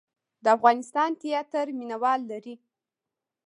د افغانستان تیاتر مینه وال لري